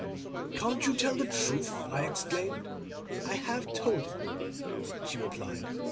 —"Can't you tell the truth?" I exclaimed. "I have told it," she replied.